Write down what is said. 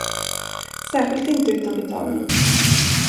Särskilt inte utan betalning.